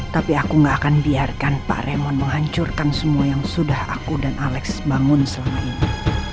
tapi aku gak akan biarkan pak remon menghancurkan semua yang sudah aku dan alex bangun selama ini